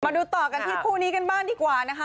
ดูต่อกันที่คู่นี้กันบ้างดีกว่านะคะ